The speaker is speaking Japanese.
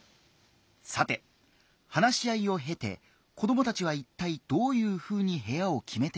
さて話し合いをへて子どもたちはいったいどういうふうに部屋を決めていくのか。